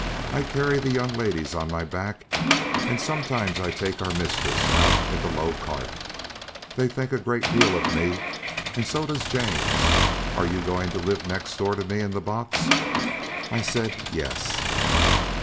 I carry the young ladies on my back, and sometimes I take our mistress out in the low cart. They think a great deal of me, and so does James. Are you going to live next door to me in the box?" I said, "Yes."